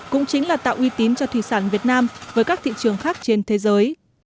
cũng chính là tạo uy tín cho thủy sản việt nam với các thị trường khác trên thế giới